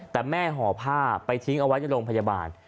แต่แม่ห่อผ้าไปทิ้งเอาไว้ในโรงพยาบาล